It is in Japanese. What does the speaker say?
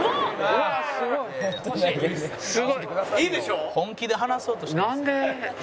すごい！いいでしょ！